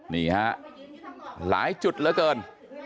นี่นะครับหลายจุดแล้วเกิน